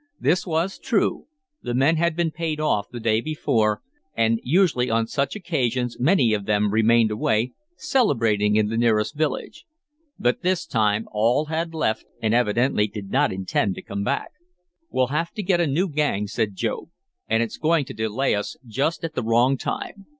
This was true. The men had been paid off the day before, and usually on such occasions many of them remained away, celebrating in the nearest village. But this time all had left, and evidently did not intend to come back. "We'll have to get a new gang," said Job. "And it's going to delay us just at the wrong time.